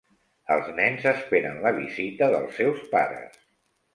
Els nens esperen la visita dels seus pares.